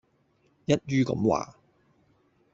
一於噉話